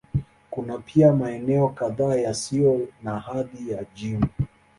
Kuna pia maeneo kadhaa yasiyo na hadhi ya jimbo.